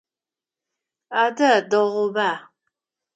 Адэ дэгъуба.